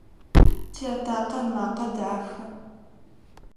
Тиатакъэ ымакъэ дахэ.